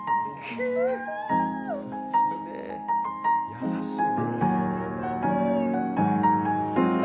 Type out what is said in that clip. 優しい。